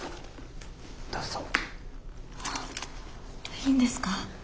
いいんですか？